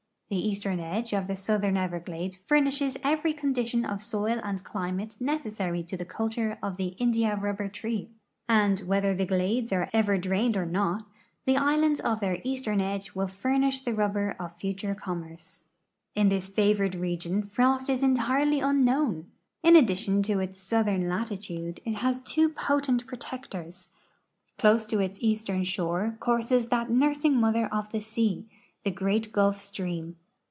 The eastern edge of the southern Everglade furnishes every condition of soil and climate neces.sary to the culture of the india rubber tree, and, whether the glades are ever drained or not, the islands of their eastern edge will furnish the rubber of future commerce. In this favored region frost is entirely unknown. In addi tion to its southern latitude, it has two potent protectors. Close to its eastern shore courses that nursing mother of the sea, the great Gulf stream.